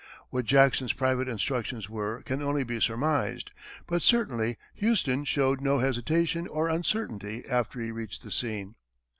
What Jackson's private instructions were can only be surmised, but, certainly, Houston showed no hesitation or uncertainty after he reached the scene.